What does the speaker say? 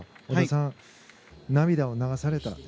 織田さん、涙を流された。